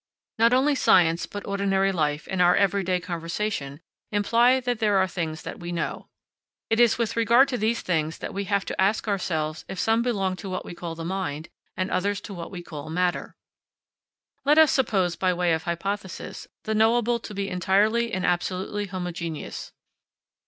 Not only science, but ordinary life and our everyday conversation, imply that there are things that we know. It is with regard to these things that we have to ask ourselves if some belong to what we call the mind and others to what we call matter. Let us suppose, by way of hypothesis, the knowable to be entirely and absolutely homogeneous.